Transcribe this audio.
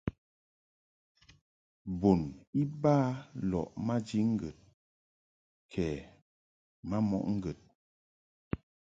Bun iba lɔʼ maji ŋgəd kɛ ma mɔʼ ŋgəd.